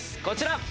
こちら！